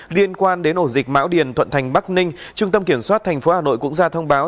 liên quan đến ổ dịch mão điền thuận thành bắc ninh trung tâm kiểm soát thành phố hà nội cũng ra thông báo